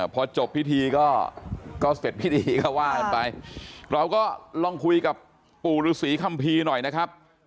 พอจบพิธีก็เสร็จพิธีก็ว่ากันไปเราก็ลองคุยกับปู่ฤษีคัมภีร์หน่อยนะครับ